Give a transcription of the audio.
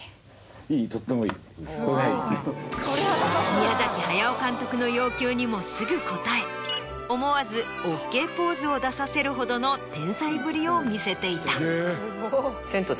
宮駿監督の要求にもすぐ応え思わずＯＫポーズを出させるほどの天才ぶりを見せていた。